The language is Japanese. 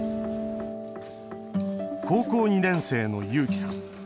高校２年生の優輝さん。